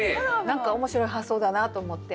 何か面白い発想だなと思って。